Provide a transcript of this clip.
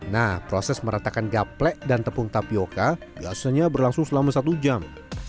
nah proses meratakan gaplek dan tepung tapioca biasanya berlangsung selama satu jam